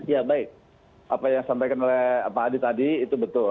ya baik apa yang disampaikan oleh pak adi tadi itu betul